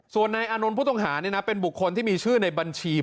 ส่วนนายอานนท์พูดตรงหาเนี่ยนะเป็นบุคคลที่มีชื่อในบัญชี